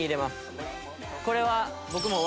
これは。